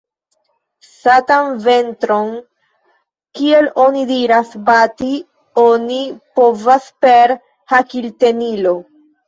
Satan ventron, kiel oni diras, bati oni povas per hakiltenilo.